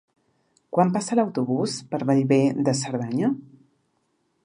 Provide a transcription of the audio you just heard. Quan passa l'autobús per Bellver de Cerdanya?